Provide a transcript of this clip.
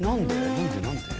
何で何で？